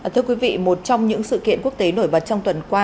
thưa quý vị một trong những sự kiện quốc tế nổi bật trong tuần qua